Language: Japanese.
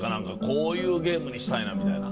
こういうゲームにしたいなみたいな。